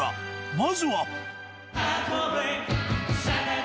まずは。